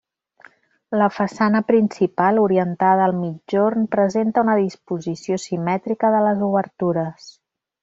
La façana principal, orientada al migjorn, presenta una disposició simètrica de les obertures.